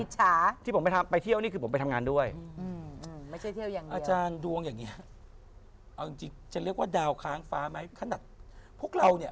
ใช่ที่หนีเที่ยวไปทั่วโลกนี่แหละ